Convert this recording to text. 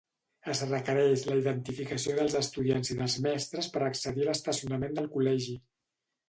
Es requereix la identificació dels estudiants i dels mestres per a accedir a l'estacionament del col·legi.